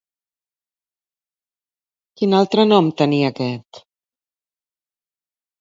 Quin altre nom tenia aquest?